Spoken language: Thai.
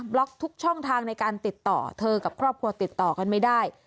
ล็อกทุกช่องทางในการติดต่อเธอกับครอบครัวติดต่อกันไม่ได้